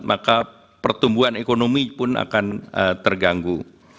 maka pertumbuhan ekonomi pun akan terganggu